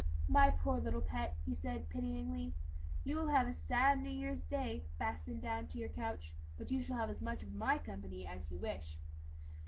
"My poor little pet," he said, pityingly, "you will have a sad New Year's Day, fastened down to your couch; but you shall have as much of my company as you wish."